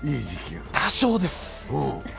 多少です。